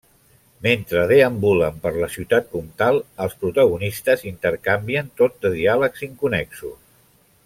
Mentre deambulen per la Ciutat Comtal els protagonistes intercanvien tot de diàlegs inconnexos.